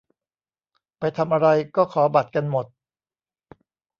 ไปทำอะไรก็ขอบัตรกันหมด